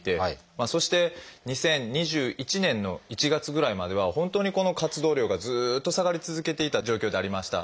そして２０２１年の１月ぐらいまでは本当にこの活動量がずっと下がり続けていた状況ではありました。